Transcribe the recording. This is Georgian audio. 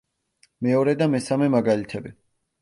მეორე და მესამე მაგალითები.